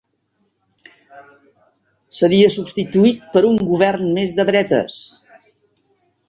Seria substituït per un Govern més de dretes